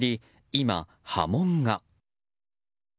今、波紋が。